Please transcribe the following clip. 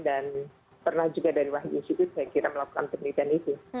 dan pernah juga dari wahid institute saya kira melakukan penelitian itu